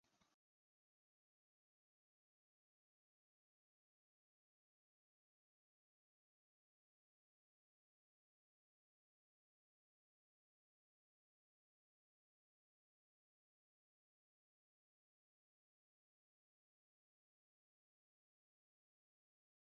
একটি বৃত্তাকার বাটি ব্যবহার করে গৌণ প্রবাহের প্রভাব দেখানো যেতে পারে।